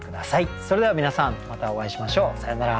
それでは皆さんまたお会いしましょうさようなら。